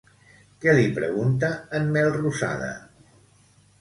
Què li pregunta, en Melrosada?